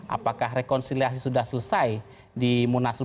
apakah rekonsiliasi sudah selesai di munaslup